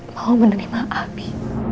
mau menerima abi